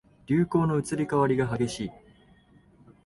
流行の移り変わりが激しい